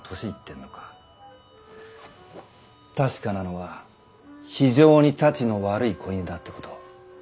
確かなのは非常にたちの悪い子犬だってことを。